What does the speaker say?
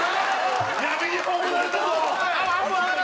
闇に葬られたぞ！